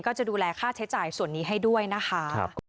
ก็จะดูแลค่าใช้จ่ายส่วนนี้ให้ด้วยนะคะ